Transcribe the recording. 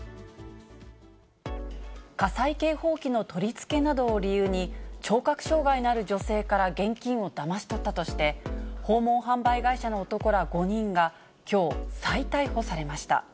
火災警報器の取り付けなどを理由に聴覚障がいのある女性から現金をだまし取ったとして、訪問販売会社の男ら５人がきょう、再逮捕されました。